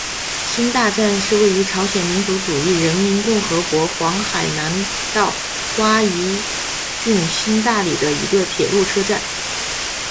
新大站是位于朝鲜民主主义人民共和国黄海南道瓜饴郡新大里的一个铁路车站。